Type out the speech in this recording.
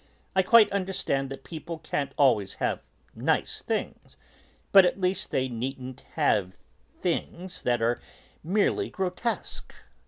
I quite understand that people can't always have nice things, but at least they needn't have things that are merely grotesque.